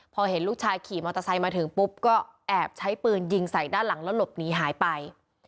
พอเห็นลูกชายขี่มอเตอร์ไซค์มาถึงปุ๊บก็แอบใช้ปืนยิงใส่ด้านหลังแล้วหลบหนีหายไป